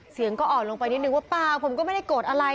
เสียงก็อ่อนลงไปนิดนึงว่าเปล่าผมก็ไม่ได้โกรธอะไร